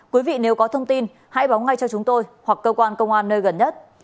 quý vị nếu có thông tin hãy báo ngay cho chúng tôi hoặc cơ quan công an nơi gần nhất